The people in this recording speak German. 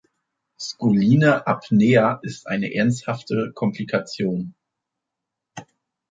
„Scoline apnea“ ist eine ernsthafte Komplikation.